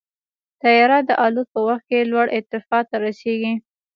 طیاره د الوت په وخت کې لوړ ارتفاع ته رسېږي.